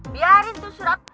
biarin tuh surat